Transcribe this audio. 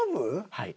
はい。